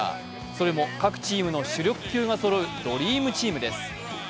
それも各チームの主力級がそろうドリームチームです。